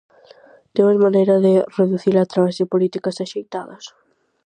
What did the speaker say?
Temos maneira de reducila a través de políticas axeitadas?